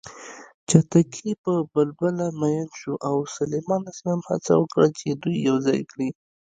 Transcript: چتکي په بلبله مین شو او سلیمان ع هڅه وکړه چې دوی یوځای کړي